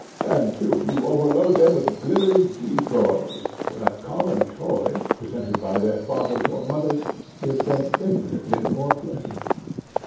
Then too you overload them with glittering gew gaws, when a common toy, presented by their fathers or mothers, gives them infinitely more pleasure.